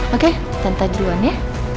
oke tante jeroen ya